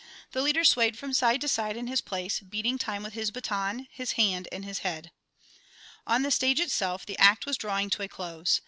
The leader swayed from side to side in his place, beating time with his baton, his hand, and his head. On the stage itself the act was drawing to a close.